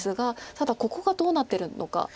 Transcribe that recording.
ただここがどうなってるのか。